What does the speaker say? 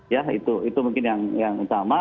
ya itu itu mungkin yang yang sama